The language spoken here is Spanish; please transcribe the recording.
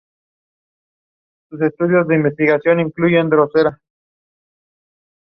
Los huevos son grandes y presentan forma de pera.